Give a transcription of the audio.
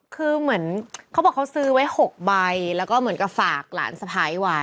คือเหมือนเขาบอกเขาซื้อไว้๖ใบแล้วก็เหมือนกับฝากหลานสะพ้ายไว้